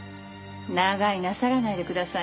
長居なさらないでくださいね。